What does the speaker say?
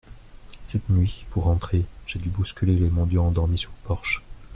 Cette nuit, pour rentrer, j’ai dû bousculer les mendiants endormis sous le porche.